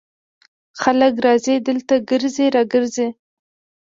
خلک راځي دلته ګرځي را ګرځي.